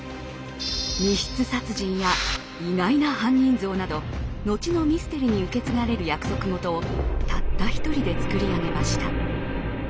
密室殺人や意外な犯人像など後のミステリに受け継がれる約束事をたった一人で創り上げました。